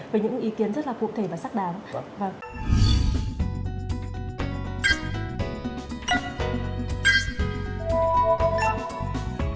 với những ý kiến rất là cụ thể và xác đáng